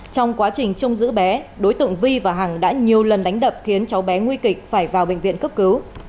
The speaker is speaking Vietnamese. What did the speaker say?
trong quá trình trông giữ bé đối tượng vi và hằng đã nhiều lần đánh đập khiến cháu bé nguy kịch phải vào bệnh viện cấp cứu